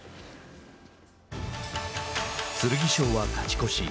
剣翔は勝ち越し。